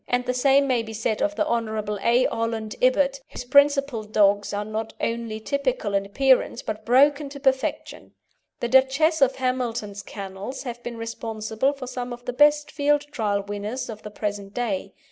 And the same may be said of the Hon. A. Holland Hibbert, whose principal dogs are not only typical in appearance, but broken to perfection. The Duchess of Hamilton's kennels have been responsible for some of the best field trial winners of the present day.